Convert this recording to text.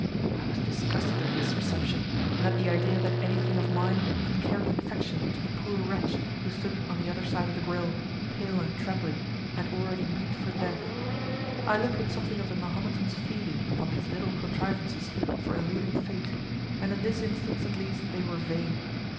I was disgusted at this reception, and at the idea that anything of mine could carry infection to the poor wretch who stood on the other side of the grille, pale and trembling, and already meet for death. I looked with something of the Mahometan's feeling upon these little contrivances for eluding fate; and in this instance, at least, they were vain.